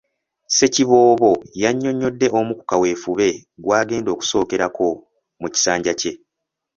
Ssekiboobo yannyonnyodde omu ku kaweefube gw’agenda okusookerako mu kisanja kye.